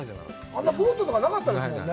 あんなボートとか、なかったですもんね。